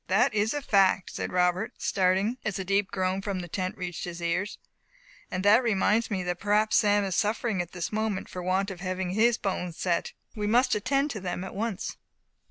"That is a fact," said Robert, starting, as a deep groan from the tent reached his ears; "and that reminds me that perhaps Sam is suffering at this moment for the want of having his bones set. We must attend to them at once."